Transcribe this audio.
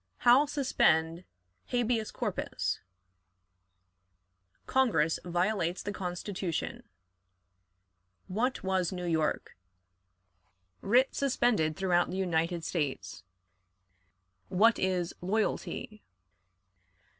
How suspend Habeas Corpus. Congress violates the Constitution. What was New York? Writ suspended throughout the United States. What is "Loyalty"?